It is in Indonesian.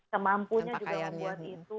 semampunya juga membuat itu